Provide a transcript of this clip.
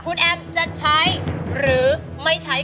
คุณแอมจะใช้หรือไม่ใช้